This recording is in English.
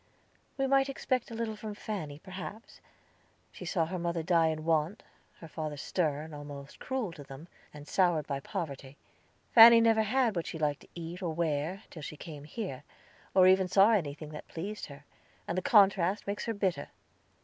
"We might expect little from Fanny, perhaps; she saw her mother die in want, her father stern, almost cruel to them, and soured by poverty. Fanny never had what she liked to eat or wear, till she came here, or even saw anything that pleased her; and the contrast makes her bitter."